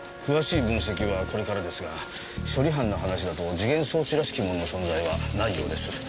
詳しい分析はこれからですが処理班の話だと時限装置らしきものの存在はないようです。